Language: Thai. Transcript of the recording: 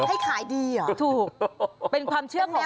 ให้ขายดีหรอถูกเป็นความเชื่อของแม่ค้า